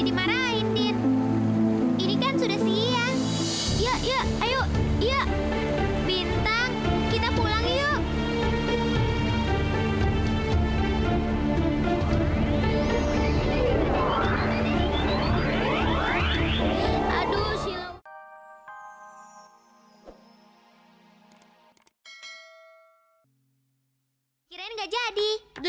kirain nggak jadi